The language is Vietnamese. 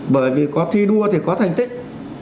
bởi vì có thi đua thì có thành tích